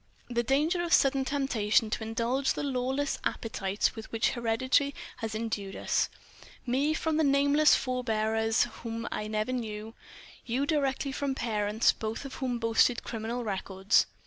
"The danger of sudden temptation to indulge the lawless appetites with which heredity has endued us—me from the nameless forebears whom I never knew, you directly from parents both of whom boasted criminal records."